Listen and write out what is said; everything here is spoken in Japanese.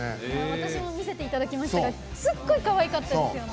私も見せていただきましたがすっごいかわいかったですよね。